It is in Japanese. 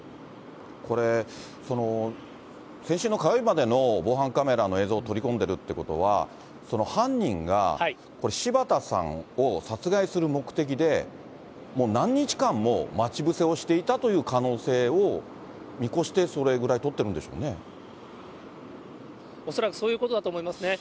これ、先週の火曜日までの防犯カメラの映像を取り込んでるっていうことは、犯人がこれ、柴田さんを殺害する目的で、何日間も待ち伏せをしていたという可能性を見越してそれぐらい取恐らくそういうことだと思いますね。